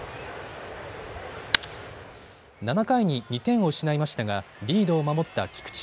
７回に２点を失いましたがリードを守った菊池。